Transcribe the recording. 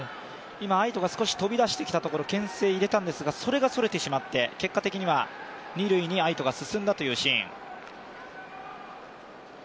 今、愛斗が少し飛び出してきたところ、けん制を入れたんですが、それがそれてしまって結果的には二塁に愛斗が進んだというシーン。